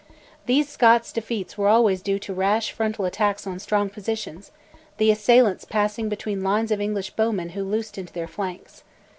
These Scots defeats were always due to rash frontal attacks on strong positions, the assailants passing between lines of English bowmen who loosed into their flanks.